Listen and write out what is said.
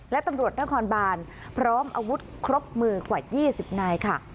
และตำรวจนครบานพร้อมอาวุธครบมือกว่า๒๐นายค่ะ